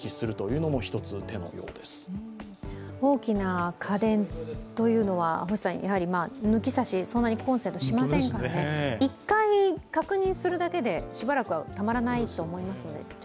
大きな家電というのは抜き差し、そんなにコンセントしませんから、１回、確認するだけで、しばらくはたまらないと思いますので。